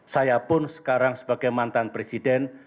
saya pun sekarang sebagai mantan presiden